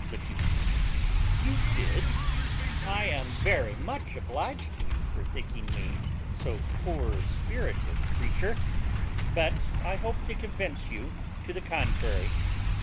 Laetitia. You did! I am very much obliged to you for thinking me so poor spirited a creature; but I hope to convince you to the contrary.